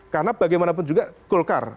karena bagaimanapun juga golkar